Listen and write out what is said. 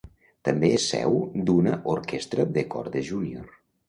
També és seu d'una orquestra de cordes júnior.